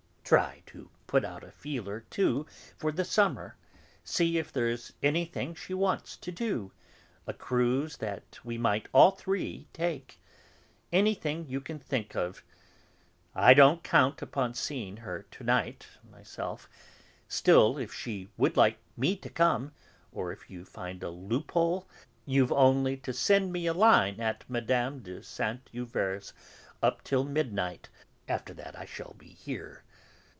Try to put out a feeler, too, for the summer; see if there's anything she wants to do, a cruise that we might all three take; anything you can think of. I don't count upon seeing her to night, myself; still if she would like me to come, or if you find a loophole, you've only to send me a line at Mme. de Saint Euverte's up till midnight; after that I shall be here.